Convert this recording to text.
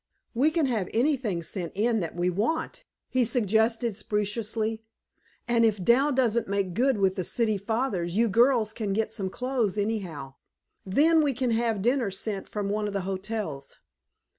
"We can have anything sent in that we want," he suggested speciously, "and if Dal doesn't make good with the city fathers, you girls can get some clothes anyhow. Then, we can have dinner sent from one of the hotels."